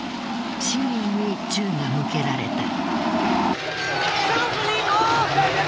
市民に銃が向けられた。